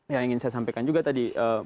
yang ingin saya sampaikan juga tadi